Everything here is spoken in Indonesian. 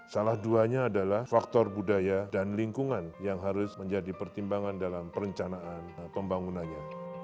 salah duanya adalah faktor budaya dan lingkungan yang harus menjadi pertimbangan dalam perencanaan pembangunannya